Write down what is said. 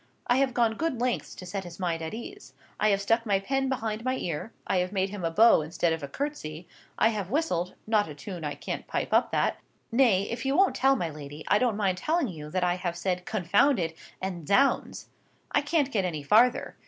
I have gone good lengths to set his mind at ease. I have stuck my pen behind my ear, I have made him a bow instead of a curtsey, I have whistled—not a tune I can't pipe up that—nay, if you won't tell my lady, I don't mind telling you that I have said 'Confound it!' and 'Zounds!' I can't get any farther.